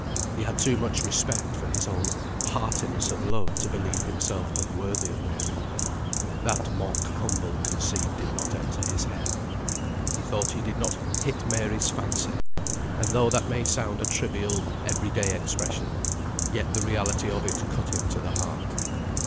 He had too much respect for his own heartiness of love to believe himself unworthy of Mary; that mock humble conceit did not enter his head. He thought he did not "hit Mary's fancy;" and though that may sound a trivial every day expression, yet the reality of it cut him to the heart.